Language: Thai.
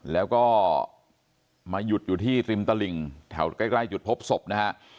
แล้วก็มาหยุดอยู่ที่ริมตลิ่งแถวใกล้จุดพบศพนะฮะ